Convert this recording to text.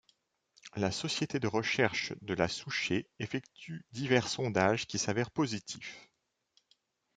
La Société de recherches de la Souchez effectue divers sondages qui s'avèrent positif.